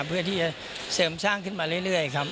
เพื่อที่จะเสริมสร้างขึ้นมาเรื่อยครับ